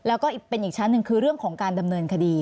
แล้วก็เป็นอีกชั้นหนึ่งคือเรื่องของการดำเนินคดี